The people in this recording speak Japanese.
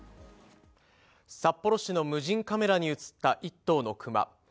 札幌市の無人カメラに写った一頭のクマ。